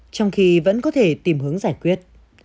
trong khi vẫn có thể tìm hướng giải quyết